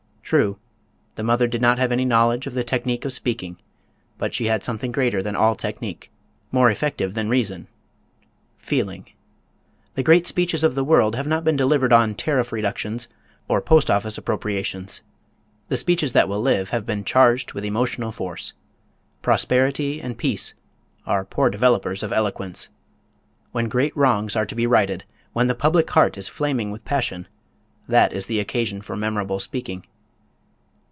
True, the mother did not have any knowledge of the technique of speaking, but she had something greater than all technique, more effective than reason: feeling. The great speeches of the world have not been delivered on tariff reductions or post office appropriations. The speeches that will live have been charged with emotional force. Prosperity and peace are poor developers of eloquence. When great wrongs are to be righted, when the public heart is flaming with passion, that is the occasion for memorable speaking.